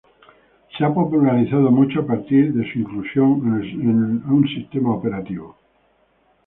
Se ha popularizado mucho a partir de su inclusión en el sistema operativo Windows.